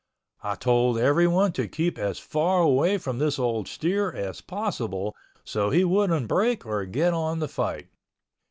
I told everyone to keep as far away from this old steer as possible so he wouldn't break or get on the fight.